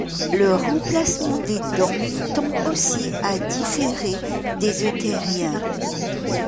Le remplacement des dents tend aussi à différer des euthériens.